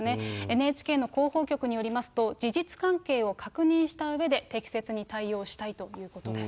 ＮＨＫの広報局によりますと、事実関係を確認したうえで適切に対応したいということです。